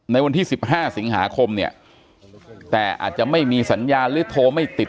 ในวันที่๑๕สิงหาคมเนี่ยแต่อาจจะไม่มีสัญญาณหรือโทรไม่ติด